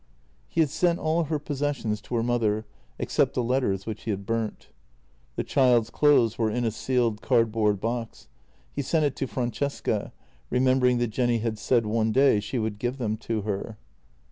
He had sent all her possessions to her mother, except the let ters, which he had burnt. The child's clothes were in a sealed cardboard box. He sent it to Francesca, remembering that Jenny had said one day she would give them to her.